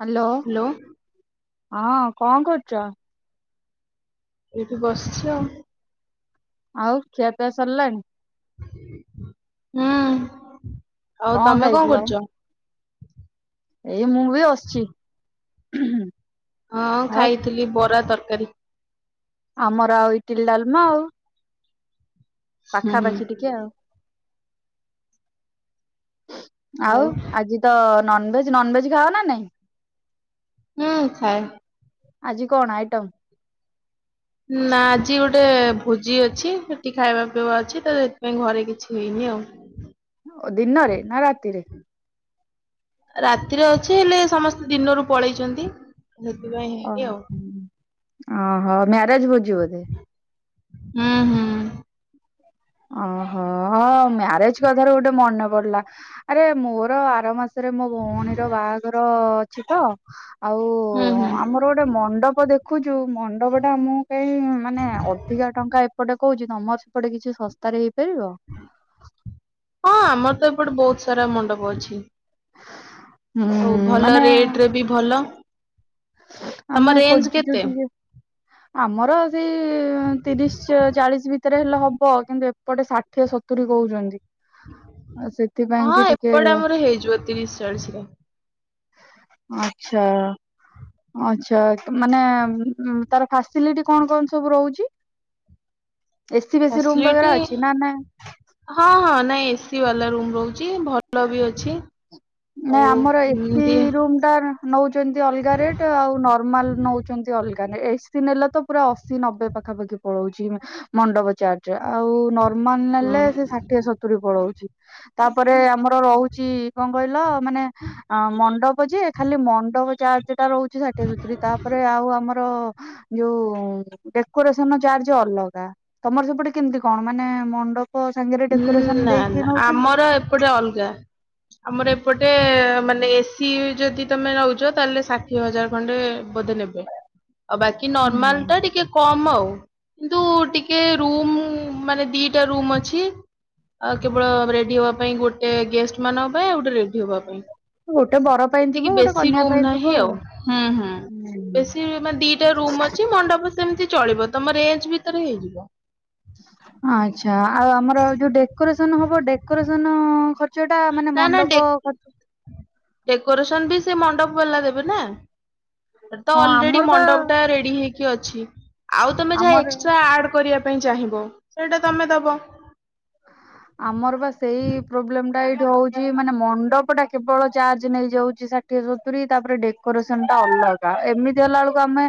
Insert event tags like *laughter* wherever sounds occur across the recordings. ହା ଲୋ ହ୍ୟାଲୋ ହଁ କଅଁ କରୁଚ? ଏଇଠି ବସିଚ଼ ଆଉ ଖିଆ ପିଆ ସରିଲାଣି? ହୁଁ ଆଉ କଅଁ ତମେ କଣ ଖାଇଥିଲ? କରୁଛ? ଏଇ ମୁଁ ବି ଆସିଚି ଉୁ ହୁଁ। ହଁ ଖାଇଥିଲି ବରା ତରକାରୀ। ଆମର ଆଉ ଇଟିଲି ଡାଲମା ଆଉ ହୁଁ ହୁଁ ପାଖାପାଖି ଟିକେ ଆଉ ଆଉ ଆଜି ତ ନନଭେଜ ନଭେଜ୍ ଖାଅ ନା ନାଇଁ? ହୁଁ ଖାଏ। ଆଜି କଣ ଆଇଟମ୍? ନା ଆଜି ଗୋଟେ ଭୋଜି ଅଛି ସେଠି ଖାଇବା ପିଇବା ଅଛି ତ ସେଥିପାଇଁ ଘରେ କିଛି ହେଇନି ଆଉ। ଓ ଦିନରେ ନା ରାତିରେ? ରାତିରେ ଅଛି ହେଲେ ସମସ୍ତେ ଦିନରୁ ପଳେଇଚନ୍ତି। ଓ ହୁଁ ମ୍ୟାରେଜ ଭୋଜି ବୋଧେ? ହୁଁ ହୁଁ ଓହୋ ମ୍ୟାରେଜ କଥାରୁ ଗୋଟେ ମନେ ପଡିଲା। ଆରେ ମୋର ଆର ମାସରେ ମୋ ଭଉଣୀର ବାହାଘର ଅଛି ତ ଆଉ ହୁଁ ହୁଁ। ଆମର ଗୋଟେ ମଣ୍ଡପ ଦେଖୁଛୁ ମଣ୍ଡପ ଟା ମୁଁ ପାଇଁ ମାନେ ଅଧିକା ଟଙ୍କା ଏପଟେ କହୁଛି ତମର ସେପଟେ କିଛି ଶସ୍ତାରେ ହେଇପାରିବ। ହଁ ଆମର ତ ଏପଟେ ବହୁତ ସାରା ମଣ୍ଡପ ଅଛି। ହୁଁ ଓ ଭଲ ମାନେ ରେଟ ରେ ବି ଭଲ। ତମ ଆମେ ରେଞ୍ଜ ଖୋଜୁଚୁ କେତେ? ଟିକେ ଆମର ସେଇ ତିରିଶ ଚା ଚାଳିଶ ଭି ତରେ ହେଲେ ହବ କିନ୍ତୁ ଏପଟେ ଷାଠିଏ ସତୁରି କହୁଛନ୍ତି। ଆଉ ସେଥିପାଇଁ କି ହଁ ଟିକେ ଏପଟେ ଆମର ହେଇଯିବ ତିରିଶ ଚାଳିଶରେ। ଆଚ୍ଛା। ଆଚ୍ଛା ମାନେ ତାର ଫାସିଲିଟି କଣ କଣ ସବୁ ରହୁଚି। ଏ ସି ଫେସି ରୁମ୍ ଫାସିଲିଟି ବଗେରା ଅଛି ନା ନାଇଁ? ହଁ ହଁ ନାଇଁ ଏ ସି ବାଲା ରୁମ ରହୁଛି ଭଲ ବି ଅଛି। ନା ଆଉ ଆମର ଏ ସି ଏମତି ରୁମ ଟା ନା। ନେଉଛନ୍ତି ଅଲଗା ରେଟ୍ ଆଉ ନର୍ମାଲ ନେଉଛନ୍ତି ଅଲଗା ରେ ଏ ସିି ନେଲେ ତ ପୁରା ଅଶୀ ନବେ ପାଖାପାଖି। ପଳଉଛି ମଣ୍ଡପ ଚାର୍ଜ ଆଉ ନ ମନ ହଁ ନେଲେ ସେ ଷାଠିଏ ସତୁରି ପଳଉଚି ତାପରେ ଆମର ରହୁଛି କଁ କହିଲ ମାନେ ଅ ମଣ୍ଡପ ଯେ ଖାଲି ମଣ୍ଡପ ଚା ସେଟା ରହୁଛି ଷାଠିଏ ସତୁରି ତାପରେ ଆଉ ଆମ ର ଯୋଉ ଡେକୋରେସନ ଚାର୍ଜ ଅଲଗା। ତମର ସେପଟେ କେମିତି କଣ ମାନେ ମଣ୍ଡପ ସାଙ୍ଗରେ ଉଁ ଡେକୋରେସନ ନା ଦେଇକି ନା ନଉଛନ୍ତି? ଆମର ଏପଟେ ଅଲଗା। ଆମର ଏପଟେ ମାନେ ଏ ସିି ଯଦି ତମେ ନଉଚ ତାହେଲେ ଷାଠିଏ ହଜାର ଖଣ୍ଡେ ବୋଧେ ନେବ୍ ଆଉ ବାକି ହୁଁ। ନର୍ମାଲ ଟା ଟିକେ କମ୍ ଆଉ କିନ୍ତୁ ଟିକେ ରୁମ୍ ମାନେ ଦିଟା ରୁମ୍ ଅଛି। ଆଉ କେବଳ ରେଡି ହବା ପାଇଁ ଗୋଟେ ଗେଷ୍ଟ ମାନଙ୍କ ପାଇଁ ଆଉ ଗୋଟେ ରେଡି ହବା ପାଇଁ। ଗୋଟେ ବର ପାଇଁ ଥିବ ଏତିକି ଗୋଟେ ବେଶୀ କନ୍ୟା ରୁମ ପାଇଁ ଥିବ ନାହିଁ ଆଉ ହୁଁ ହୁଁ ବେଶୀ ମାନେ ଦି ଗୋଟେ ରୁମ୍ ଅଛି ମଣ୍ଡପ ସେମିତି ଚଳିବ ତମ ରେଞ୍ଜ ଭିତରେ ହେଇଯିବ। ଆଚ୍ଛା ଆଉ ଆମର ଯୋଉ ଡେକୋରେସନ ହବ ଡେକୋରେସନ ଖ ଚଟା ମାନେ ନା ନା ଡେ ମଣ୍ଡପ ଖ ଡେକୋରେସନ ବି ସେ ମଣ୍ଡପ ବାଲା ଦେବେ ନା ତ ହଁ ଅଲରେଡି ଆମର ବା ମଣ୍ଡପ ଟା ରେଡି ହେଇ କି ଅଛି ଆଉ ତମେ ଯାହା ଆମର ଏକ୍ସଟ୍ରା ଆଡ କରିବା ପାଇଁ ଚାହିଁବ ସେଇଟା ତମେ ଦବ। ଆମର ବା ସେଇ ପ୍ରୋବ୍ଲେମ ଟା ଏଇଠି ହଉଛି ମାନେ ମଣ୍ଡପ ଟା କେବଳ ଚାର୍ଜ ନେଇଯାଉଛି ସା ଠିଏ ସତୁରୀ ତାପରେ ଡେକୋରେସନ ଟା ଅଲଗା ଏମିତି ହେଲା ବେଳକୁ ଆମେ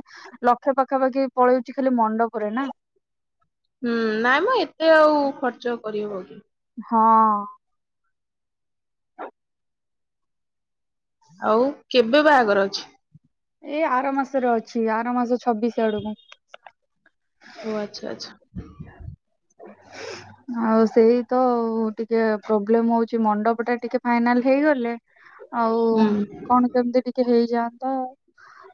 ଲକ୍ଷେ ପାଖାପାଖି ପଳଉଛି ଖାଲି ମଣ୍ଡପରେ ନା। ହୁଁ ନାଇଁ ମ ଏତେ ଆଉ ଖର୍ଚ୍ଚ କରିହବ କି। ହଁ ଆଉ କେବେ ବାହାଘର ଅଛି। ଏଇ ଆର ମାସରେ ଅଛି ଆର ମାସ ଛବିଶ ଆଡକୁ। ଓ ଆଚ୍ଛା ଆଚ୍ଛା। ଆଉ ସେଇ ତ ଟିକେ ପ୍ରୋବ୍ଲେମ ହୋଉଚି। ମଣ୍ଡପ ଟା ଟିକେ ଫାଇନାଲ ହେଇଗଲେ। ଆଉ ହୁଁ। କଣ କେମିତି ଟିକେ ହେଇଯାଆନ୍ତା।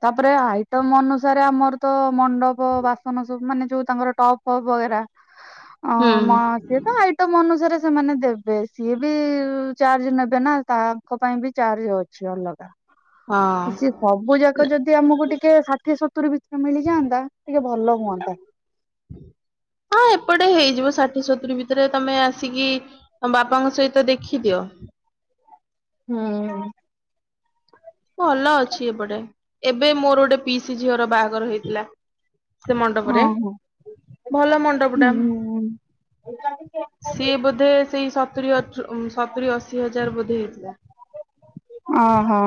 ତାପରେ ଆଇଟମ୍ ଅନୁସାରେ ଆମର ତ ମଣ୍ଡପ ବାସନ ସବୁ ମାନେ ଯୋଉ ତାଙ୍କର ଟପ୍ପ ଫପ୍ ବଗେରା ଅ ହୁଁ ମ ସିଏ ତ ଆଇ ଟମ୍ ଅନୁସାରେ ସେମାନେ ଦେବେ। ସିଏ ବି ଚାର୍ଜ ନେବେ ନା ତାଙ୍କ ପାଇଁ ବି ଚାର୍ଜ ଅ ଛି ଅଲଗା। ସିଏ ହଁ। ସବୁ ଯାକ ଯଦି ଆମକୁ ଟିକେ ଷାଠିଏ ସତୁୁରୀ ଭିତରେ ମିଳିଯାଆନ୍ତା ଟିକେ ଭଲ ହୁଅନ୍ତା। ହଁ ଏପଟେ ହେଇଯିବ ଷାଠିଏ ସତୁୁରୀ ଭିତରେ ତମେ ଆସିକି ତମ ବାପାଙ୍କ ସହିତ ଦେଖିଦିଅ। ହୁଁ। ଭଲ ଅଛି ଏପଟେ ଏବେ ମୋର ଗୋଟେ ପିଇସି ଝିଅର ବାହାଘର ହେଇଥିଲା। ସେ ମଣ୍ଡପରେ ଓହୋ ଭଲ ମଣ୍ଡପଟାମ୍। ହୁଁ। ସିଏ ବୋଧେ ସେଇ ସତୁରୀ *unintelligible* ସତୁରୀ ଅଶି ହଜାର ବୋଧେ ହେଇଥିଲା। ଓହୋ।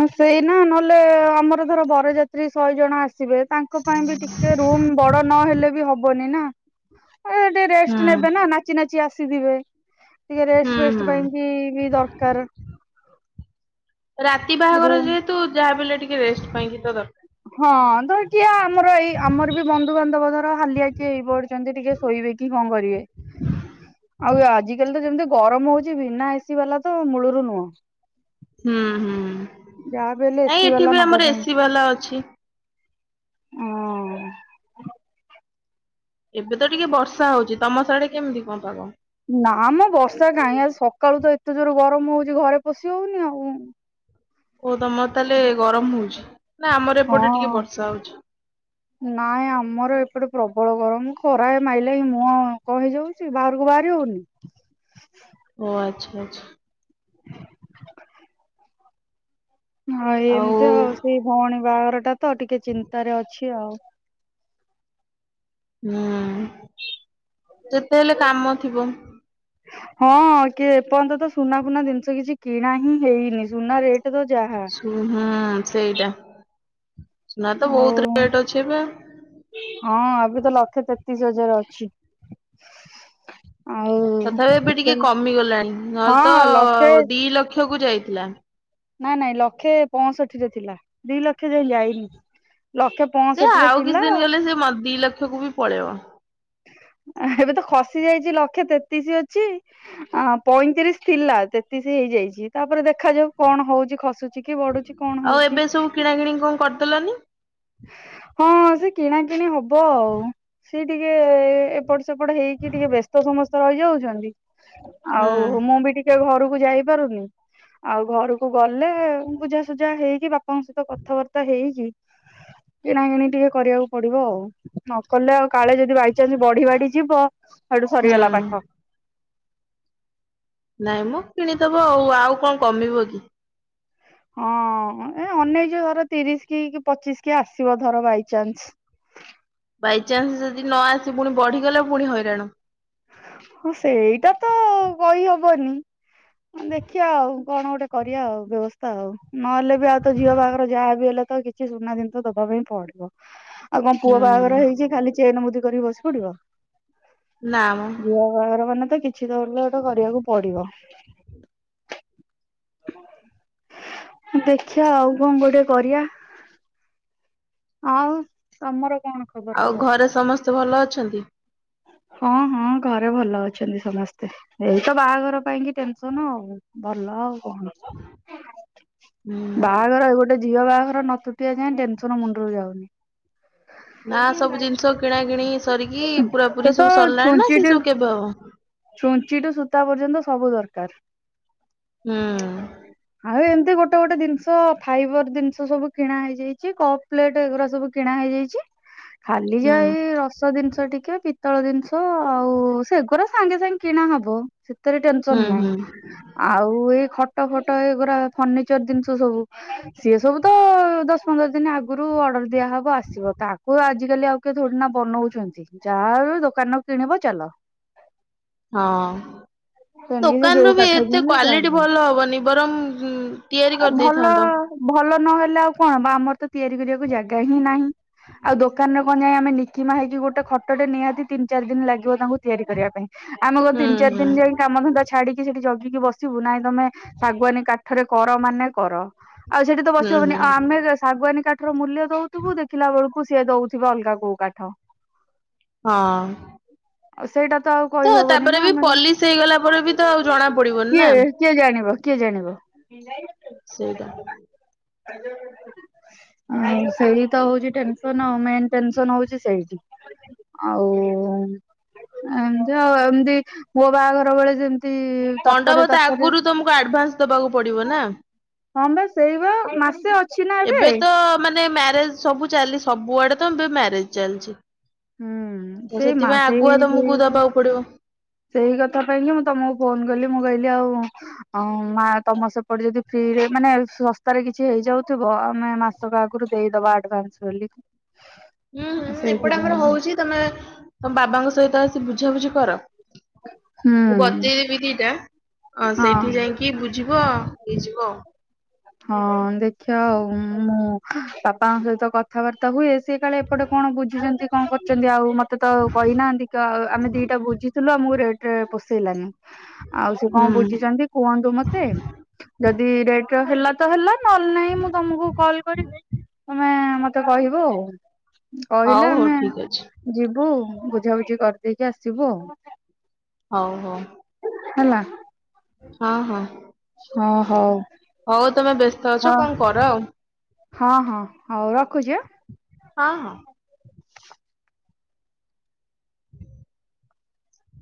ହ ସେଇ ନା ନହେଲେ ଆମର ଧର ବରଯାତ୍ରୀ ଶହେ ଜଣ ଆ ସିବେ ତାଙ୍କ ପାଇଁ ବି ଟିକେ ରୁମ ବଡ ନ ହେେଲେ ବି ହବନି ନା। ଆ ଟିକେ ହୁଁ ରେଷ୍ଟ ନେବେ ନା ନାଚି ନାଚି ଆସିଥିବେ ଟିକେ ରେଷ୍ଟ ହୁଁ ଫେଷ୍ଟ ହୁଁ ସେଥିପାଇଁ କି ବି ଦରକାର। ରାତି ବାହାଘର ରୁମ ଯେହେତୁ ଯାହା ବି ହେଲେ ଟିକେ ରେଷ୍ଟ ପାଇଁ କିି ତ ଦର ହଁ ତ ଟିକିେ ଆମର ଏଇ ଆମର ବି ବନ୍ଧୁ ବାନ୍ଧବ ଧର ହାଲିଆ କିଏ ହେଇ ପଢୁଚନ୍ତି ଟିକେ ଶୋଇବେ କି କଣ କରିବେ। ହୁଁ ଆଉ ଆଜିକାଲି ତ ଯେମିତି ଗରମ ହୋଉଚି ବିନା ଏସି ବାଲା ତ ମୂଳରୁ ନୁହୁଁ। ହୁଁ ହୁଁ ବି ହେଲେ ନାଇଁ ଏସିି ଏଠି ବାଲା ବି ନବା ଆମର ପାଇଁ ଏସି ବାଲା ଅଛି। ଉଁ ଏବେ ତ ଟିକେ ବର୍ଷା ହୋଉଚି। ତମ ସିଆଡେ କେମିତି କଣ ପାଗ? ନାଁ ମ ବର୍ଷା କାଇଁ ଆଜି ସକାଳୁ ତ ଏତେ ଜୋର ଗରମ ହୋଉଚି ଘରେ ପଶି ହୋଉନି ଆଉ। ହୋଉ ତମର ତାହେଲେ ଗରମ ହୋଉଚି ନା ଆମର ଏପଟେ ହଁ ଟିକେ ବର୍ଷା ହୋଉଚି। ନାଇଁ ଆମର ଏପଟେ ପ୍ରବଳ ଗରମ ଖରା ଏ ମାଇଲେ ଏଇ ମୁଁହଁ। କଣ ହେଇଯାଉଚି ବାହାରକୁ ବାହାରି ହୋଉନି। ଓ ଆଚ୍ଛା ଆଚ୍ଛା। *unintelligible* ହଁ ଏମିତି ଆଉ ସେଇ ଭଉଣୀ ବାହାଘରଟା ତ ଟିକେ ଚିନ୍ତାରେ ଅଛି ଆଉ। ହୁଁ ଯେତେ ହେଲେ କାମ ଥିବ। ହଁ କିଏ ଏପର୍ଯ୍ୟନ୍ତ ତ ସୁନା ଫୁନା ଜିନିଷ କିଛି କିଣା ହିଁ ହେଇନି ସୁନା ରେଟ୍ ତ ଯାହା। ହୁଁ ହୁଁ ସେଇଟା ସୁନା ତ ଆଉ ବୋହୁତ ରେଟ୍ ଅଛି ଏବେ। ହଁ ଏବେ ତ ଲକ୍ଷେ ତେତିଶ ହଜାର ଅଛି। ଆଉ ତଥାପି ଏବେ ସେ ଟିକେ କମିଗଲାଣି ନହେଲେ ତ ହଁ ଲକ୍ଷେ ଦି ଲକ୍ଷ କୁ ଯାଇଥିଲା। ନାଇଁ ନାଇଁ ଲକ୍ଷେ ପଅଁଷଠିରେ ଥିଲା ଦି ଲକ୍ଷ ଯାଏ ଯାଇନି। ଲକ୍ଷେ ସେ ପଞ୍ଚଷଠି ରେ ଆଉ କିଛି ଥିଲା ଦିନ ଗଲେ ସେ ମ ଦି ଲକ୍ଷକୁ ବି ପଳେଇବ। *unintelligible* ଏବେ ତ ଖସି ଯାଇଚି ଲକ୍ଷେ ତେତିଶ ଅଛି। ଆଁ ପଇଁତିରିଶ ଥିଲା ତେତିଶ ହେଇଯାଇଚି ତାପରେ ଦେଖାଯାଉ କଣ ହୋଉଚି ଖସୁ ଚିକି ବଢୁଛି କଣ ଆଉ ହଉଛି ଏବେ ସବୁ କିଣା କିଣି କଣ କରିଦେଲନି? ହଁ ସେ କିଣା କିିଣି ହବ ଆଉ। ସେ ଟିକେ ଏପଟ ସେପଟ ହେଇକି ଟିକେ ବ୍ୟସ୍ତ ସମସ୍ତେ ରହିଯାଉଚନ୍ତି। ହୁଁ ଆଉ ମୁଁ ବି ଟିକେ ଘରକୁ ଯାଇପାରୁନି। ଆଉ ଘରକୁ ଗଲେ ବୁଝାସୁଝା ହେଇକି ବାପାଙ୍କ ସହିତ କଥାବାର୍ତ୍ତା ହେଇକି। କିଣାକିଣି ଟିକେ କରିବାକୁ ପଡିବ ଆଉ ନକଲେ ଆଉ କାଳେ ଯଦି ବାଇଚାନ୍ସ ବଢି ବାଢି ଯିବ ହେଠୁ ସରିଗଲା ହୁଁ। ପାଠ। ନାଇଁମ କିଣିଦବ ଆଉ ଆଉ କଣ କମିବ କି? ହଁ ଏ ଅନେଇଚି ଧର ତିରିଶ କି ପଚିଶ କି ଆସିବ ଧର ବାଇଚନ୍ସ। ବାଇଚନ୍ସ ଯଦି ନ ଆସି ପୁଣି ବଢିଗଲା ପୁଣି ହଇରାଣ। ହଁ ସେଇଟା ତ କହିହବନି। ଦେଖିବା ଆଉ କଣ ଗୋଟେ କରିବା ଆଉ ବ୍ୟବସ୍ଥା ଆଉ ନହେଲେ ବି ଆଉ ତ ଝିଅ ବାହାଘର ଯାହା ବି ହେଲେ ତ କି କିଛି ସୁନା ଜିନିଷ ଦବା ପାଇଁ ପଡିବ। ଆଉ କଣ ପୁଅ ବାହାଘର ହୁଁ ହେଇଛି ଖାଲି ଚେନ ମୁଦି କରିକି ବସି ପଡିବ। ନା ମ। ଝିଅ ବାହାଘର ମାନେ ତ କିଛି ଗୋଟେ କରିବାକୁ ପଡିବ। ଦେଖିବା ଆଉ କଣ ଗୋଟେ କରିଆ ଆଉ ତମର କଣ? ଖବର ଆଉ କୁହ ଘରେ ସମସ୍ତେ ଭଲ ଅଛନ୍ତି? ହଁ ହଁ ଘରେ ଭଲ ଅଛନ୍ତି ସମସ୍ତେ ଏଇ ତ ବାହାଘର ପାଇଁ କି ଟେନସନ ଆଉ। ଭଲ ଆଉ କଣ ହୁଁ ବାହାଘର ଏ ଗୋ ଗୋଟେ ଝିଅ ବାହାଘର ନ ତୁଟିବା ଯଏଁ ଟେନସନ ମୁଣ୍ଡରୁ ଯାଉନି। ନା ସବୁ ଜିନିଷ କିଣା କିିଣି ସରିକି ପୁରା ସେ ପୁରି ତ ସବୁ ସରିଲାଣି ନା ସେ ସବୁ କେବେ ହବ? ଛୁଞ୍ଚି ଟୁ ସୂତା ପର୍ଯ୍ୟନ୍ତ ସବୁ ଦରକାର। ହୁଁ। ଆଉ ଏମିତି ଗୋଟେ ଗୋଟେ ଜିନିଷ ଫାଇବର ଜିନିଷ ସବୁ କିଣା ହେଇଯାଇଛି କପ ପ୍ଲେଟ ଏଗୁରା ସବୁ କିଣା ହେଇଯାଇଛି। ଖାଲି ହୁଁ ଯାଏ ରସ ଜିନିଷ ଟିକେ ପିତ୍ତଳ ଜିନିଷ ଆଉ ସେଗୁରା ସାଙ୍ଗେ ସାଙ୍ଗେ କିଣା ହବ ସେଥିରେ ଟେନସନ ହୁଁ ନାହିଁ। ହୁଁ ଆଉ ଏଇ ଖଟ ଫଟ ଏଗୁରା ଫର୍ଣିିଚର ଜିନିଷ ସବୁ ସିଏ ସବୁ ତ ଦ ପନ୍ଦର ଦିନ ଆଗରୁ ଅର୍ଡର ଦିଆହବ ଆସିବ ତାକୁ ଆ ଆଜିକାଲି ଆଉ କି ଥୋଡିନା ବନଉଛନ୍ତି ଯାହା ହଉ ଦୋକାନ ରୁ କିଣିବ ଚାଲ। ହଁ। କିଣିକି ସେ ଯୋଉ ଦୋକାନରୁ ବି କାଠ ଏତେ କିଣିବ ଯାହା କ୍ଵାଲିଟି କିଣିବ ଭଲ ହବନି ବରଂ ତିଆରି ଭଲ କରିଦେଇଥାନ୍ତ। ଭଲ ନହେଲେ ଆଉ କଣ ବା ଆମର ତ ତିଆରି କରିବାକୁ ଜାଗା ହିଁ ନାହିଁ ଆଉ ଦୋକାନର ବନେଇ ଆମେ ନିକି ମା ହେଇକି ଗୋଟେ ଖଟେ ନିହାନ୍ତି ତିନି ଚାରି ଦିନ ଲାଗିବ ତାଙ୍କୁ ତିଆରି କରିବା ପାଇଁ। ଆମେଙ୍କ ହୁଁ ତିନି ଚାରି ହୁଁ ଦିନ ଯାଇକି କାମ ଧାନ୍ଧା ଛାଡିକି ସେଠି ଜଗିକି ବସିବୁ ନାଇଁ ତମେ ଶାଗୁଆାନୀ କାଠରେ କର ମାନେ କର ଆଉ ସେଠି ତ ହୁଁ ବସି ହବନି ହୁଁ ଆଉ ଆମେ ଶାଗୁଆନୀ କାଠର ମୂଲ୍ୟ ଦଉଥିବୁ ଦେଖିଲା ବେଳକୁ ସିଏ ଦଉ ଥିବ ଅଲଗା କୋଉ କାଠ। ହଁ। ଆଉ ସେଇଟା ତ ଆଉ ତ କହିହବନି ତାପରେ ନା ବି ଆମେ ପୋଲିସ ହେଇଗଲା ପରେ ବି ତ ଆଉ ଜଣା ପଡିବନି କିଏ ନା। କିଏ ଜାଣିବ କିଏ ଜାଣିବ ସେଇଟା। *unintelligible* ଅଁ ସେଇ ତ ହଉଛି ଟେନ୍ସନ ମେନ୍‌ ଟେନ ସନ ହଉଛି ସେଇଠି ଆଉ ଏମିତି ଆଉ ଏମିତି ମୋ ବାହାଘର ଘରବେଳେ ଯେମିତି ତରତରରେ ମଣ୍ଡପ ତ ତରତରରେ ଆଗରୁ ତମକୁ ଆଡଭାନ୍ସ ଦବାକୁ ପଡିବ ନା। ହଁ ବା ସେଇ ବା ମାସେ ଅ ଏବେ ତ ମାନେ ମ୍ୟାରେଜ ସବୁ ଚାଲି ସବୁଆଡେ ତ ଏବେ ମ୍ୟାରେଜ ଚାଲିଛି। ହୁଁ ତ ସେଇ ମା ସେଥିପାଇଁ ସେଇ ଆଗୁଆ ସେଇ ତମକୁ ପା। ଦବାକୁ ପଡିବ। ସେଇ କଥା ପାଇଁ କି ମୁଁ ତମକୁ ଫୋନ କଲି ମୁଁ କହିଲି ଆଉ ଅଁ ମା ତମ ସେପଟେ ଯଦି ଫ୍ରିରେ ମାନେ ଶସ୍ତାରେ କିଛି ହେଇଯାଉଥିବ ଆମେ ମା ସକ ଆଗରୁ ଦେଇଦବା ଆଡଭାନ୍ସ ବୋଲିକି। *inaudible* ହୁଁ ହୁଁ ଏପଟେ ଆମର ହଉଛି ତମେ ତମ ବାବାଙ୍କ ସହିତ ଆସି ବୁଝାବୁଝି କର। ହୁଁ ବତେଇଦେବି ଦିଟା ଅଁ ହଁ ସେଇଠି ଯାଇକି କି ବୁଝିବ ହେଇଯିବ। ହଁ ଦେଖିଆ ଆଉ ମୁଁ ବାପ ବାପାଙ୍କ ସହିତ କଥାବାର୍ତ୍ତା ହୁଏ ସେଏ କାଳେ ଏପଟେ କଣ ବୁଝୁଛନ୍ତି କଣ କରୁଛନ୍ତି ଆଉ ମତେ ତ ଆଉ କହିନାହାଁନ୍ତି କି ତ ଆଉ ଆମେ ଦିଟା ବୁଝିଥିଲୁ ଆମକୁ ରେଟେ ପୋସେଇଲାନି। ଆଉ ସେ ହୁଁ କଣ ବୁଝିଛନ୍ତି କୁହନ୍ତୁ ମତେ ଯଦି ରେଟ ହେଲା ତ ହେଲା ନହେଲେ ନାହିଁ ମୁଁ ତମକୁ କଲ୍ କରିବି ତମେ ମ ତେ କହିବ ଆଉ ହଉ କହିଲେ ହଉ ଆମେ ଠିକ ଅଛି ଯିବୁ ବୁଝାବୁଝି କରିଦେଇକି ଆସିବୁ ଆଉ ହଉ ହଉ ହେଲା। ହଁ ହଁ। ହଁ ହଉ। ହଉ ତମେ ବ୍ୟସ୍ତ ଅଛ ହଁ କଣ କର ଆଉ ହଁ ହଁ ହଉ ରଖୁଛି ଆ? ହଁ ହଁ।